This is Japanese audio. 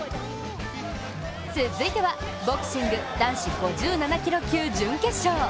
続いてはボクシング男子５７キロ級準決勝。